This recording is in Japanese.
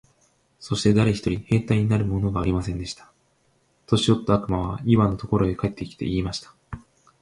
そして誰一人兵隊になるものがありませんでした。年よった悪魔はイワンのところへ帰って来て、言いました。